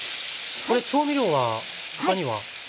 これ調味料は他には？